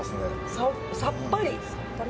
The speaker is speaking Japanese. さっぱり。